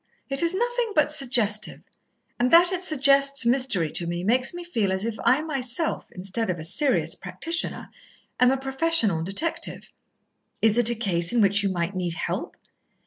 "It is nothing but suggestive, and that it suggests mystery to me makes me feel as if I myself, instead of a serious practitioner, am a professional detective." "Is it a case in which you might need help?"